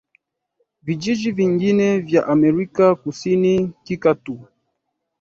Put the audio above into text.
vijiji vingine vya Amerika Kusini Kika tatu